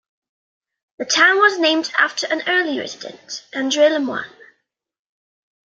The town was named after an early resident, Andre LeMoyne.